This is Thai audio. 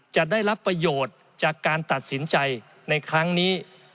จะได้รับประโยชน์จากการตัดสินใจในครั้งนี้